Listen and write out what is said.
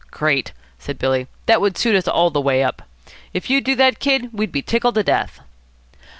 "Great," said Billy; "that would suit us all the way up. If you'd do that, Kid, we'd be tickled to death."